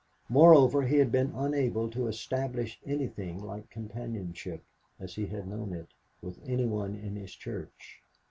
Moreover, he had been unable to establish anything like companionship, as he had known it, with any one in his church.